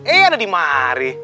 eh ada di mari